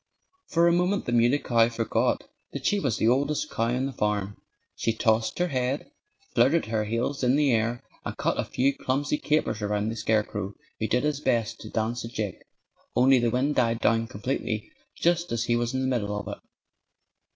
For a moment the Muley Cow forgot that she was the oldest cow on the farm. She tossed her head, flirted her heels in the air, and cut a few clumsy capers around the scarecrow, who did his best to dance a jig only the wind died down completely just as he was in the middle of it.